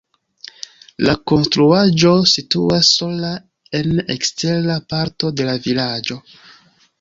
La konstruaĵo situas sola en ekstera parto de la vilaĝo.